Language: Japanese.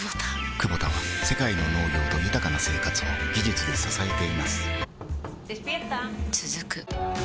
クボタは世界の農業と豊かな生活を技術で支えています起きて。